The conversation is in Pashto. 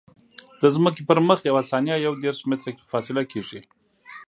د ځمکې پر مخ یوه ثانیه یو دېرش متره فاصله کیږي